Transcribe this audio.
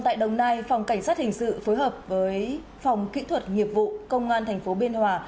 tại đồng nai phòng cảnh sát hình sự phối hợp với phòng kỹ thuật nghiệp vụ công an thành phố biên hòa